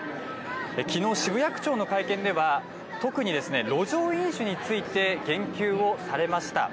きのう渋谷区長の会見では特に路上飲酒について言及をされました。